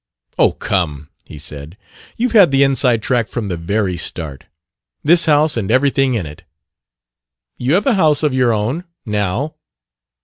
"Oh, come," he said; "you've had the inside track from the very start: this house and everything in it...." "You have a house of your own, now."